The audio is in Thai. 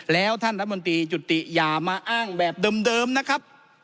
แล้วท่านรัฐมนตรีจุติอย่ามาอ้างแบบเดิมนะครับ